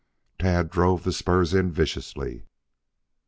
Tad drove the spurs in viciously.